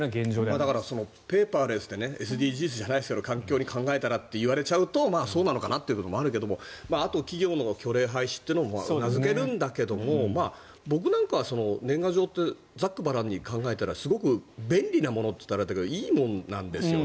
だからペーパーレスでＳＤＧｓじゃないけど環境に考えたらって言われちゃうとそうなのかなというところもあるけどあと、企業の虚礼廃止というのもうなずけるんだけど僕なんかは年賀状ってざっくばらんに考えたらすごく便利なものというとあれだけどいいものなんですよ。